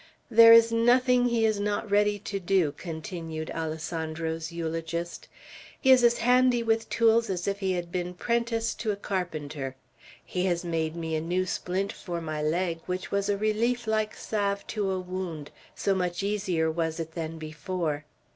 "There is nothing he is not ready to do," continued Alessandro's eulogist. "He is as handy with tools as if he had been 'prenticed to a carpenter. He has made me a new splint for my leg, which was a relief like salve to a wound, so much easier was it than before.